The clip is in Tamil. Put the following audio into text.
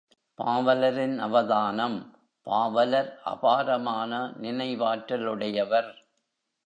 பாவலரின் அவதானம் பாவலர் அபாரமான நினைவாற்றலுடையவர்.